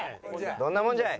どんなもんじゃい！